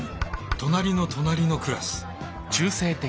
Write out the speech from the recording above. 隣の隣のクラス。